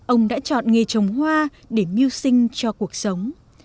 ông đã chọn nghề trồng hoa để mưu sinh cho cuộc sống